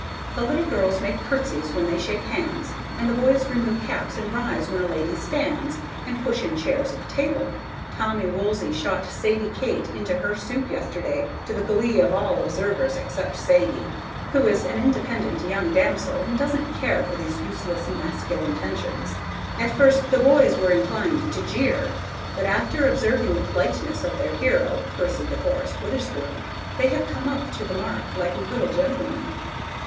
The little girls make curtseys when they shake hands, and the boys remove caps and rise when a lady stands, and push in chairs at the table. (Tommy Woolsey shot Sadie Kate into her soup yesterday, to the glee of all observers except Sadie, who is an independent young damsel and doesn't care for these useless masculine attentions.) At first the boys were inclined to jeer, but after observing the politeness of their hero, Percy de Forest Witherspoon, they have come up to the mark like little gentlemen.